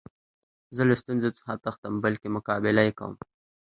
زه له ستونزو څخه تښتم؛ بلکي مقابله ئې کوم.